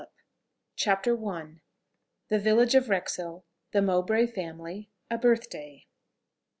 "] CHAPTER I. THE VILLAGE OF WREXHILL. THE MOWBRAY FAMILY. A BIRTHDAY.